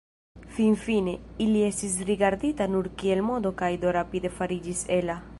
Finfine, ili estis rigardita nur kiel modo kaj do rapide fariĝis ela.